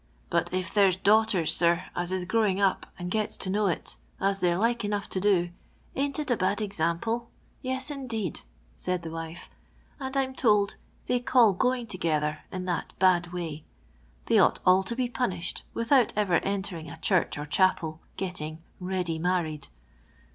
But if there 's daughters, sir, as is grow ing up and gets to know it, as they re like enough to do, ain't it a bad example? Yes, indeed," said the wife, "and I'm told they call going together in that b«id way — they ought nil to be punished — without ever entering a church or chapel, getting 'ready married."'